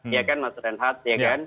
iya kan mas renhat